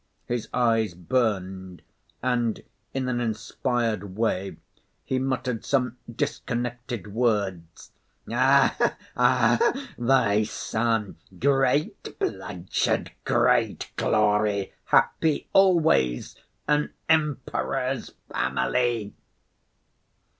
His eyes burned and, in an inspired way, he muttered some disconnected words: "Ah! Ah! thy son! great bloodshed great glory happy always an emperor's family."